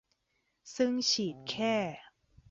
ซึ่งฉีดแค่